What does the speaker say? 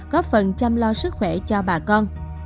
góp phần chăm lo sức khỏe cho bà con